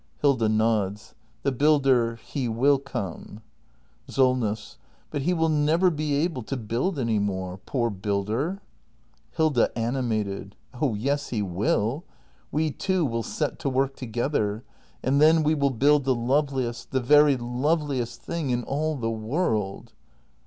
Hilda. [Nods.] The builder — he will come. SOLNESS. But he will never be able to build any more. Poor builder! Hilda. [Animated] Oh yes, he will! We two will set to work together. And then we will build the loveliest — the very loveliest — thing in all the world.